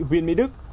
viện mỹ đức